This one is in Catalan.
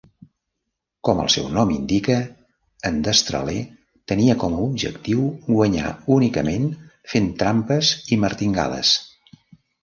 Com el seu nom indica, en Destraler tenia com a objectiu guanyar únicament fent trampes i martingales.